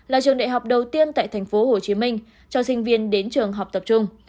là trường đại học đầu tiên tại tp hồ chí minh cho sinh viên đến trường học tập trung